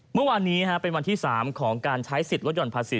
เมื่อวานนี้เป็นวันที่๓ของการใช้สิทธิ์ลดห่อนภาษี